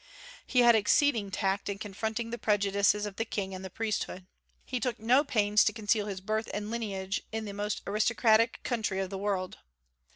He had exceeding tact in confronting the prejudices of the King and the priesthood. He took no pains to conceal his birth and lineage in the most aristocratic country of the world.